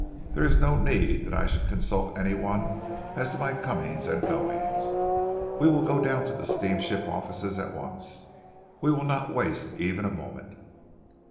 There is no need that I should consult any one as to my comings and goings. We will go down to the steamship offices at once. We will not waste even a moment."